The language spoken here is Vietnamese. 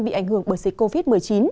bị ảnh hưởng bởi dịch covid một mươi chín